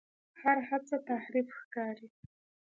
هر هڅه تحریف ښکاري.